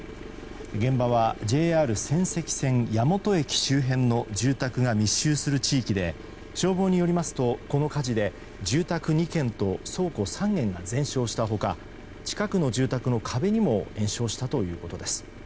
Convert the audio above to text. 現場はＪＲ仙石線矢本駅周辺の住宅が密集する地域で消防によりますとこの火事で住宅２軒と倉庫３軒が全焼した他近くの住宅の壁にも延焼したということです。